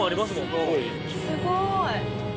すごーい！